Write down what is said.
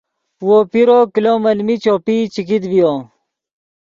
وو پیرو کلو ملمین چوپئی چے کیت ڤیو